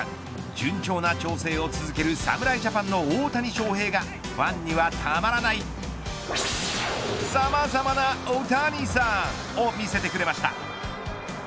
順調な調整を続ける侍ジャパンの大谷翔平がファンにはたまらないさまざまなオオタニサンを見せてくれました。